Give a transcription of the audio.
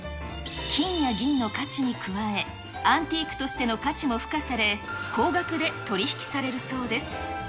金や銀の価値に加え、アンティークとしての価値も付加され、高額で取り引きされるそうです。